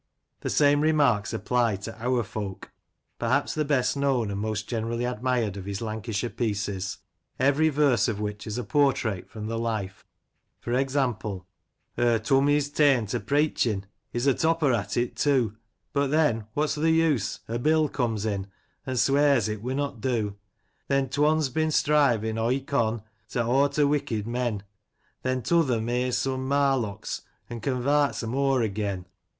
" The same remarks apply to " Eawr Folk," perhaps the best known and most generally admired of his Lancashire pieces, every verse of which is a portrait from the life, for example : Edwin Waugh, 37 Er Tummy's taen to preitchin', — He's a topper at it, too ; But then, — what's th' use— er Bill comes in, An' swears it winnot do ; When t'one's been strivin' o' he con To awter wicked men, Then t'other mays some marlocks, an' Convarts 'em o'er again.